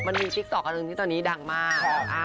มันมีทิกต๊อกอันนึงที่ตอนนี้ดังมาก